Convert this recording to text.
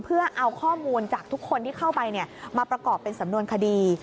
เพื่อเอาข้อมูลจากทุกคนที่เข้าไปมาประกอบเป็นสำนวนคดี